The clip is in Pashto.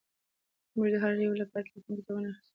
موږ د هر یو لپاره د ټیلیفون کتابونه اخیستي دي